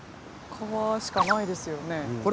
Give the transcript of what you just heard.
川しかないですよね。